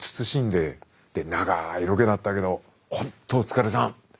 長いロケだったけどほんとお疲れさん。